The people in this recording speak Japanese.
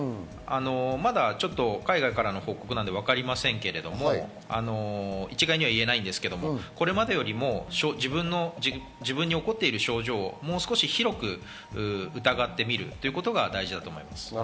まだ海外からの報告なのでわかりませんけど、一概には言えないですけど、自分に起こっている症状をもう少し広く疑ってみるということが大事だと思います。